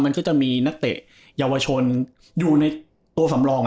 มันก็จะมีนักเตะเยาวชนอยู่ในตัวสำรอง